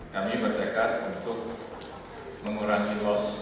kami berdekat untuk mengurangi bos